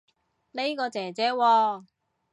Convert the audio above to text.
呢個姐姐喎